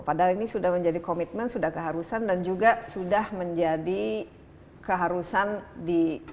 padahal ini sudah menjadi komitmen sudah keharusan dan juga sudah menjadi keharusan di